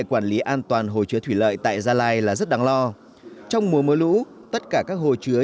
quản lý an toàn hồ chứa thủy lợi tại gia lai là rất đáng lo trong mùa mưa lũ tất cả các hồ chứa